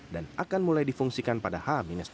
dan akan mulai difungsikan pada h tujuh